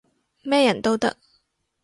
咩人都得